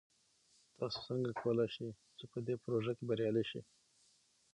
تاسو څنګه کولی شئ چې په دې پروژه کې بریالي شئ؟